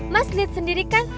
mas liat sendiri kan